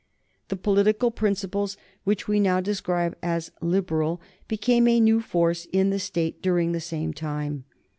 The political principles which we now describe as Liberal became a new force in the State during the same time.